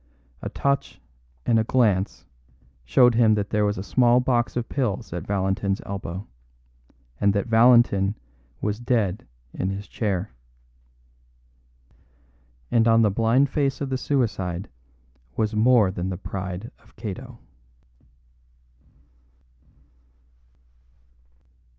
A touch and a glance showed him that there was a small box of pills at Valentin's elbow, and that Valentin was dead in his chair; and on the blind face of the suicide was more than the pride of Cato.